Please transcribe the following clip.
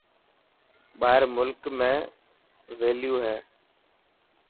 ٻاهر ملڪ ۾ ويليو هي.